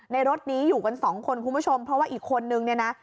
รถนี้อยู่กันสองคนคุณผู้ชมเพราะว่าอีกคนนึงเนี่ยนะ